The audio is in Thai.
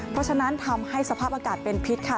เพราะฉะนั้นทำให้สภาพอากาศเป็นพิษค่ะ